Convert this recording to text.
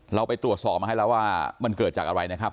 เราไปตรวจสอบมาให้แล้วว่ามันเกิดจากอะไรนะครับ